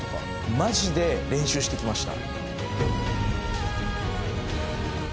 マジで練習してきました。